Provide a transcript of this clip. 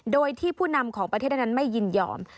โดยที่ผู้นำของประเทศนั้นไม่ยินยอม